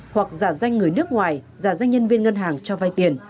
hoặc giả danh người nước ngoài giả danh nhân viên ngân hàng cho vay tiền